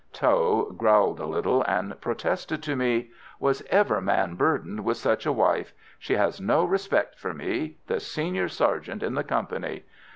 Tho growled a little, and protested to me: "Was ever man burdened with such a wife? She has no respect for me the senior sergeant in the company.